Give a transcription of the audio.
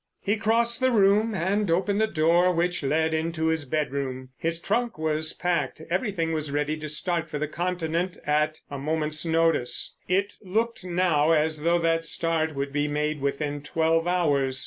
He crossed the room and opened the door which led into his bedroom. His trunk was packed, everything was ready to start for the Continent at a moment's notice. It looked now as though that start would be made within twelve hours.